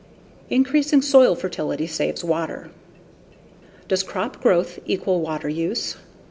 Increasing Soil Fertility Saves Water Does crop growth equal water use?